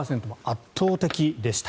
圧倒的でした。